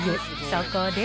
そこで。